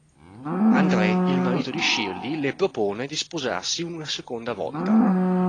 Andrè, il marito di Shirley le propone di sposarsi una seconda volta.